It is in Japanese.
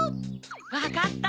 わかった！